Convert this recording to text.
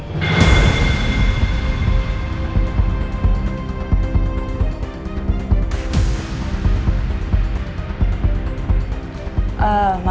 kasih arah ujungan